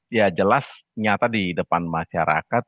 ya jelas nyata di depan masyarakat